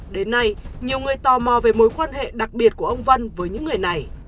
đến nay nhiều người tò mò về mối quan hệ đặc biệt của ông vân với những người này